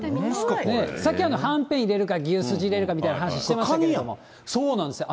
さっき、はんぺん入れるか牛すじ入れるかみたいな話してましたけど。